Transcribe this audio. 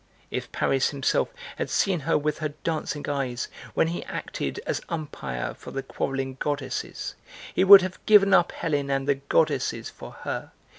If Paris himself had seen her with her dancing eyes, when he acted as umpire for the quarreling goddesses, he would have given up Helen and the goddesses for her!